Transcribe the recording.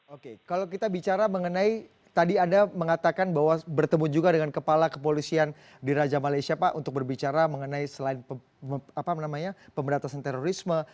oke kalau kita bicara mengenai tadi anda mengatakan bahwa bertemu juga dengan kepala kepolisian di raja malaysia pak untuk berbicara mengenai selain pemberantasan terorisme